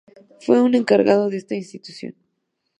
Fue un encargo de esta institución.